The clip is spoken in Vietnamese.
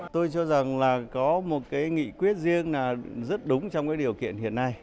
tôi cho rằng là có một cái nghị quyết riêng là rất đúng trong cái điều kiện hiện nay